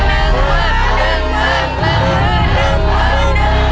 ๑บาท